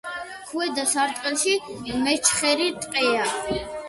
ქვედა სარტყელში მეჩხერი ტყეა.